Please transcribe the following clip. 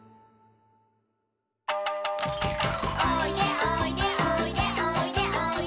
「おいでおいでおいでおいでおいで」